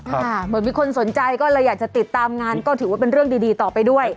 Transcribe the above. เหมือนมีคนสนใจก็เลยอยากจะติดตามงานก็ถือว่าเป็นเรื่องดีต่อไปด้วย